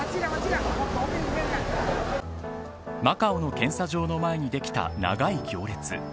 マカオの検査場の前にできた長い行列。